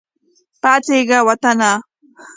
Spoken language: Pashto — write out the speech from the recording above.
پاڅیږه وطنه !